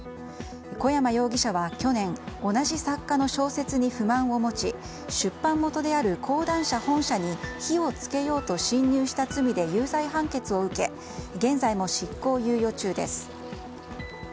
小山容疑者は去年同じ作家の小説に不満を持ち出版元である講談社本社に火を付けようと侵入した罪で有罪判決を受け現在も執行猶予中です。